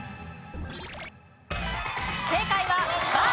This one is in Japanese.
正解は「ば」。